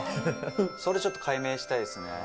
それちょっと解明したいですね。